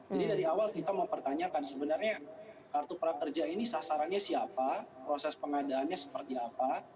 jadi dari awal kita mempertanyakan sebenarnya kartu prakerja ini sasarannya siapa proses pengadaannya seperti apa